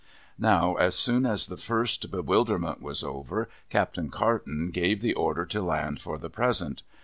Now, as soon as the first bewilderment was over. Captain Carton gave the order to land for the present.